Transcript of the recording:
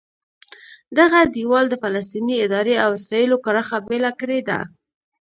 دغه دیوال د فلسطیني ادارې او اسرایلو کرښه بېله کړې ده.